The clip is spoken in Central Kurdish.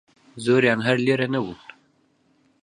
زۆریان هەر لێرە نەبوون